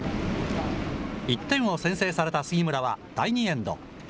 １点を先制された杉村は第２エンド。